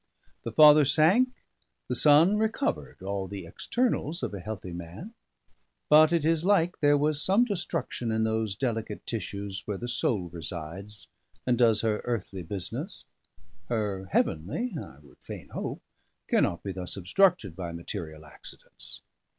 The father sank, the son recovered all the externals of a healthy man; but it is like there was some destruction in those delicate tissues where the soul resides and does her earthly business; her heavenly, I would fain hope, cannot be thus obstructed by material accidents.